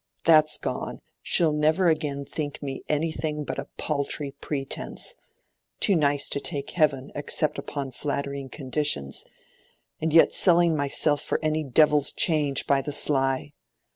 —That's gone! She'll never again think me anything but a paltry pretence—too nice to take heaven except upon flattering conditions, and yet selling myself for any devil's change by the sly.